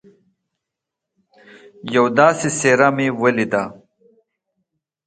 یوه داسي څهره مې ولیده